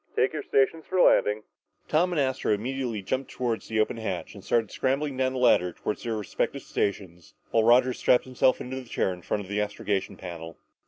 Take your stations for landing!" Tom and Astro immediately jumped toward the open hatch and started scrambling down the ladder toward their respective stations while Roger strapped himself into his chair in front of the astrogation panel.